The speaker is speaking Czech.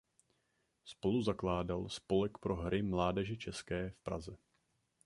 Spoluzakládal "Spolek pro hry mládeže české" v Praze.